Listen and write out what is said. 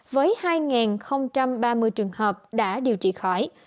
với hai ba mươi trường hợp đã điều trị khỏi